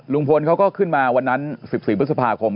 ลุงพลเขาก็ขึ้นมาวันนั้น๑๔พฤษภาคม